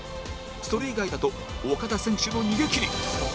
それ以外だと岡田選手の逃げ切り